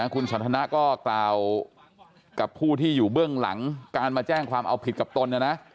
คุณสันทนาก็กล่าวกับผู้ที่อยู่เบื้องหลังการมาแจ้งความเอาผิดกับตนนะนะ